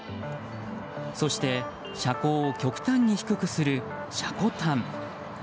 そして、車高を極端に低くするシャコタン。